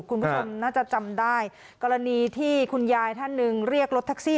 คุณผู้ชมน่าจะจำได้กรณีที่คุณยายท่านหนึ่งเรียกรถแท็กซี่